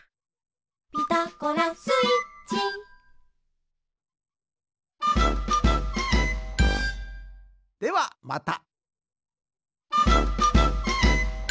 「ピタゴラスイッチ」ではまた！